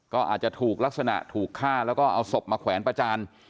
ก็อาจจะถูกลักษณะถูกฆ่าแล้วก็เอาศพมาแขวนประจาน